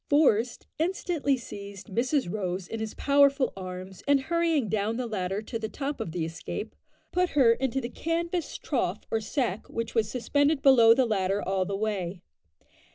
Forest instantly seized Mrs Rose in his powerful arms, and hurrying down the ladder to the top of the escape, put her into the canvas trough or sack which was suspended below the ladder all the way.